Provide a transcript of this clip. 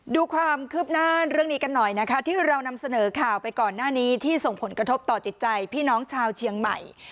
ดูความคืบหน้าเรื่องนี้กันหน่อยนะคะที่เรานำเสนอข่าวไปก่อนหน้านี้ที่ส่งผลกระทบต่อจิตใจพี่น้องชาวเชียงใหม่